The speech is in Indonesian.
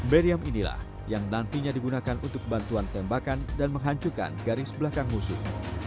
beriam ini adalah yang nantinya digunakan untuk bantuan tembakan dan menghancurkan garis belakang musuh